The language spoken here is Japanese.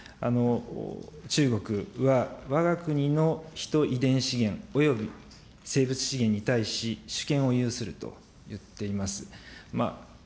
中国はわが国のヒト遺伝子げんおよび生物資源に対し主権を有するといっています。